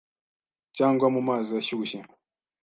cyangwa mu mazi ashyushye